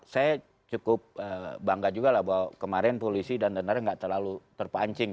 saya cukup bangga juga lah bahwa kemarin polisi dan tentara nggak terlalu terpancing